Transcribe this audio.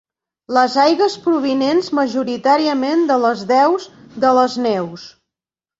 Les aigües provinents majoritàriament de les deus de les neus.